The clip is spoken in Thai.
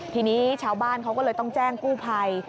ทีนี้ชาวบ้านเขาก็เลยต้องแจ้งกู้ภัย